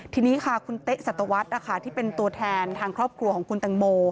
ทีนี้ค่ะคุณเต๊ะสัตวรรษที่เป็นตัวแทนทางครอบครัวของคุณตังโม